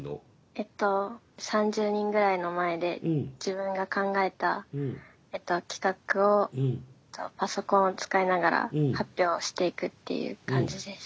えっと３０人ぐらいの前で自分が考えたえっと企画をパソコンを使いながら発表していくっていう感じです。